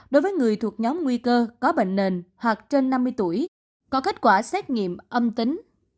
đối với người thuộc nhóm nguy cơ có bệnh nền hoặc trên năm mươi tuổi có kết quả xét nghiệm âm tính